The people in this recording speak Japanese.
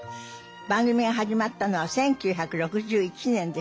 番組が始まったのは１９６１年です。